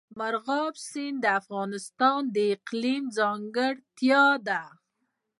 مورغاب سیند د افغانستان د اقلیم ځانګړتیا ده.